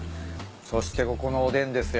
そしてここのおでんですよ。